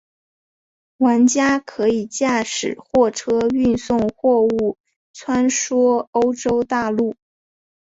玩家可以驾驶货车运送货物穿梭欧洲大陆。